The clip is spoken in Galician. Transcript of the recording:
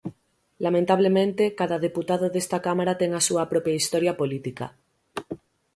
Lamentablemente, cada deputado desta Cámara ten a súa propia historia política.